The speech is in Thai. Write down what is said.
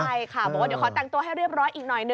ใช่ค่ะโปรดเดี๋ยวขอตั้งตัวให้เรียบร้อยอีกหน่อย